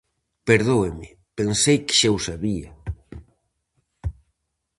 Perdóeme, pensei que xa o sabía!